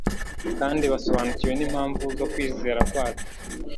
kandi basobanukiwe n'impamvu zo kwizera kwacu